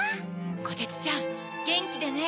こてつちゃんゲンキでね。